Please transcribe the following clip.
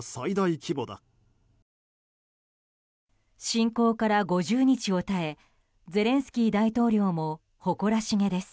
侵攻から５０日を耐えゼレンスキー大統領も誇らしげです。